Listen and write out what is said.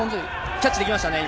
キャッチできましたね、今。